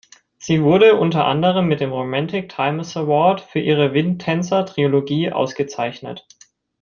Sie wurde unter anderem mit dem Romantic Times Award für ihre "Windtänzer-Trilogie" ausgezeichnet.